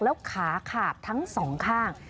แล้วขาขาดทั้งสองข้าง